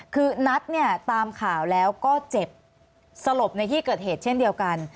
คือนัทเนี่ยตามข่าวแล้วก็เจ็บสลบในที่เกิดเหตุเช่นเดียวกัน